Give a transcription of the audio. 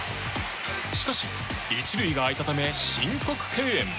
しかし、１塁が空いたため申告敬遠。